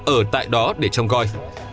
ở tại đó để trông coi